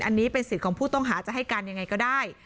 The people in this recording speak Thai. อันนี้เป็นสิทธิ์ของผู้ต้องหาจะให้การยังไงก็ได้